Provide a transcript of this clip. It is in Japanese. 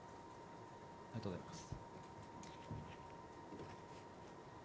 ありがとうございます。